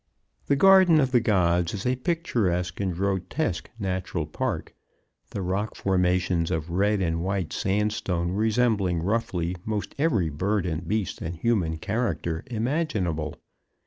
The Garden of the Gods is a picturesque and grotesque natural park, the rock formations of red and white sandstone resembling roughly most every bird and beast and human character imaginable.